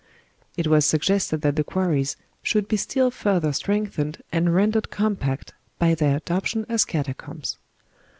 It was suggested that the quarries should be still further strengthened and rendered compact by their adoption as catacombs.